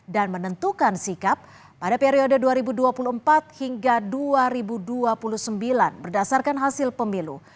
dan menentukan sikap pada periode dua ribu dua puluh empat hingga dua ribu dua puluh sembilan berdasarkan hasil pemilu